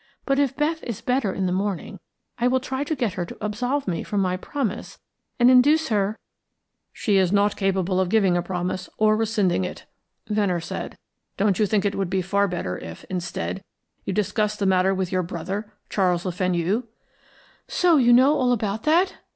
But if Beth is better in the morning I will try to get her to absolve me from my promise and induce her " "She is not capable of giving a promise of rescinding it," Venner said. "Don't you think it would be far better if, instead, you discussed the matter with your brother, Charles Le Fenu?" "So you know all about that?"